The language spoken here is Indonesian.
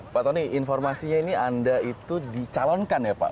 pak tony informasinya ini anda itu dicalonkan ya pak